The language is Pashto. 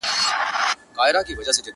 نن د جانان په ښار کي ګډي دي پردۍ سندري!!..